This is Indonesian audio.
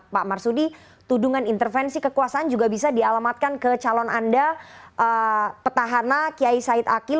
pak marsudi tudungan intervensi kekuasaan juga bisa dialamatkan ke calon anda petahana kiai said akil